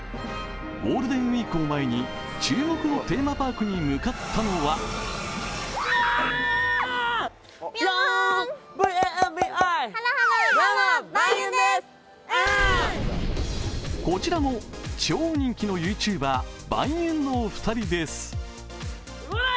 ゴールデンウイークを前に注目のテーマパークに向かったのはこちらも超人気のＹｏｕＴｕｂｅｒヴァンゆんの２人です。